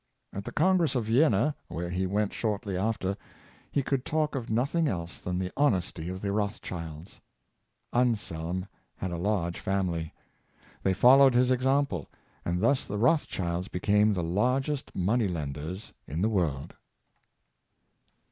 At the Con gress of Vienna, where he went shortly after, he could talk of nothing else than the honesty of the Rothschilds. Anselm had a large family. They followed his exam ple, and thus the Rothschilds became the largest money lenders in the world.